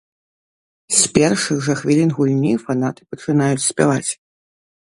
З першых жа хвілін гульні фанаты пачынаюць спяваць.